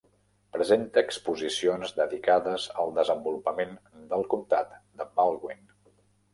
Presenta exposicions dedicades al desenvolupament del comtat de Baldwin.